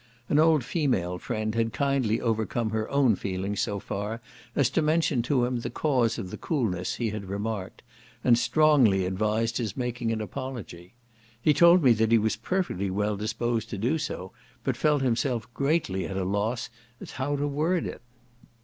An old female friend had kindly overcome her own feelings so far as to mention to him the cause of the coolness he had remarked, and strongly advised his making an apology. He told me that he was perfectly well disposed to do so, but felt himself greatly at a loss how to word it.